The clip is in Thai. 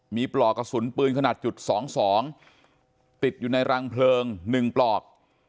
มีปลอกกระสุนปืนขนาดจุด๒๒ติดอยู่ในรังเพลิง๑ปลอก